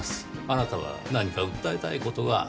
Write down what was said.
あなたは何か訴えたい事がある。